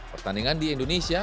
pertandingan di indonesia